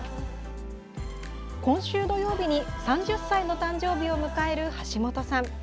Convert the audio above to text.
今週土曜日に３０歳の誕生日を迎える橋本さん。